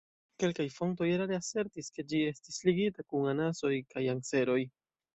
Kelkaj fontoj erare asertis, ke ĝi estis ligita kun anasoj kaj anseroj.